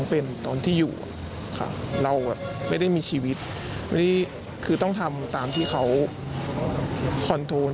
เป็นตอนที่อยู่เราไม่ได้มีชีวิตงความที่ต้องทำตามที่เขาความความกัน